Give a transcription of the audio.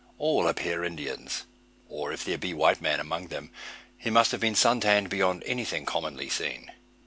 All appear Indians, or if there be white man among them, he must have been sun tanned beyond anything commonly seen.